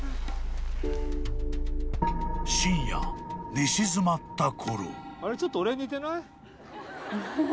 ［寝静まったころ］